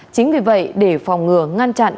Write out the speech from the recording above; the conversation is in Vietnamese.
chính vì vậy để phòng ngừa ngăn chặn